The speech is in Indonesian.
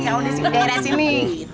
ya udah sih daerah sini